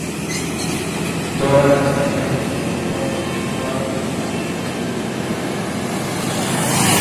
Todas las canciones por Tom G Warrior y Bruce Day.